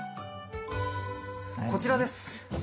こちらです。